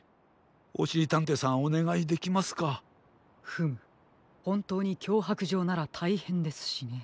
フムほんとうにきょうはくじょうならたいへんですしね。